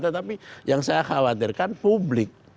tetapi yang saya khawatirkan publik